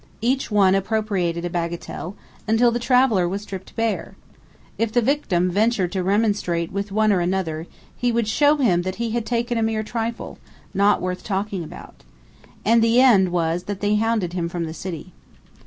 Each one appropriated a bagatelle, until the traveller was stripped bare. If the victim ventured to remonstrate with one or another, he would show him that he had taken a mere trifle, not worth talking about. And the end was that they hounded him from the city.